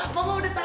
mama udah tau